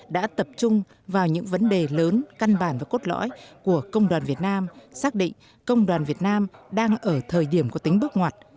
đã tập trung vào những vấn đề lớn căn bản và cốt lõi của công đoàn việt nam xác định công đoàn việt nam đang ở thời điểm có tính bước ngoặt